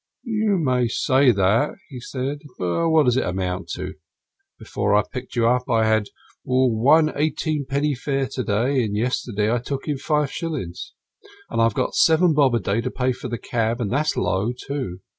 "You may say that," he said. "Well, what does it amount to? Before I picked you up, I had one eighteen penny fare to day; and yesterday I took five shillings. And I've got seven bob a day to pay for the cab, and that's low, too.